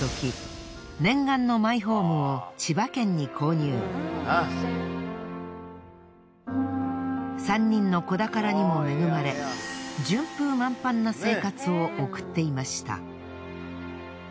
念願の３人の子宝にも恵まれ順風満帆な生活を送っていました。